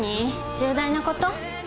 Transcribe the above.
重大なこと？